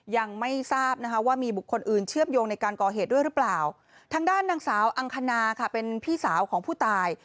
ยังไม่ทราบว่ามีบุคคลอื่นเชื่อมโยงในการก่อเหตุด้วยหรือเปล่า